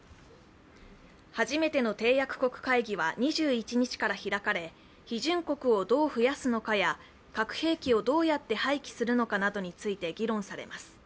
初めての締約国会議は２１日から開かれ批准国をどう増やすのかや核兵器をどうやって廃棄するのかなどについて議論されます。